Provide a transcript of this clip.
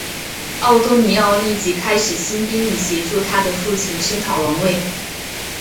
奥多尼奥立即开始兴兵以协助他的父亲声讨王位。